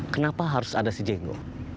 kenapa harus ada si jenggo